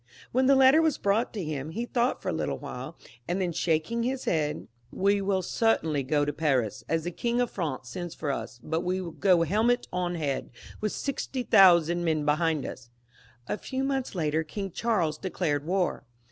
When the letter was brought to him, he thought for a little while, and then said, shaking his head —" We wiU certainly go to Paris, as the King of France sends for us, but we wiU go helmet on head, with sixty 180 CHARLES V, {LE SAGE). [CH. thousand men behind us." A few months later King Charles declared war.